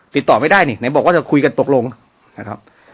ติดต่อไม่ได้นี่ไหนบอกว่าจะคุยกันตกลงนะครับ